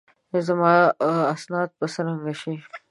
زما اسناد به څرنګه شي؟